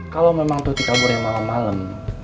kalau memang tuti kabur yang malam malam